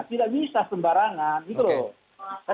tidak bisa sembarangan